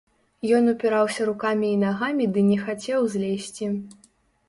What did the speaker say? Ён упіраўся рукамі і нагамі ды не хацеў злезці.